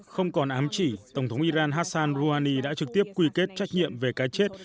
không còn ám chỉ tổng thống iran hassan rouhani đã trực tiếp quy kết trách nhiệm về cái chết